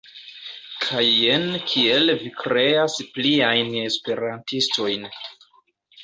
Kaj jen kiel vi kreas pliajn esperantistojn.